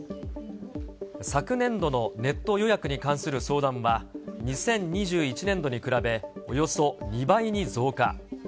昨年度のネット予約に関する相談は２０２１年度に比べおよそ２倍に増加。